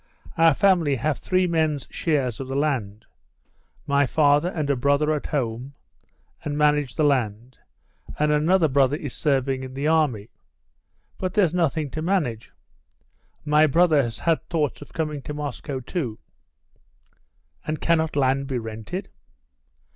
"Our family have three men's shares of the land. My father and a brother are at home, and manage the land, and another brother is serving in the army. But there's nothing to manage. My brother has had thoughts of coming to Moscow, too." "And cannot land be rented?"